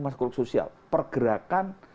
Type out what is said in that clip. maskul sosial pergerakan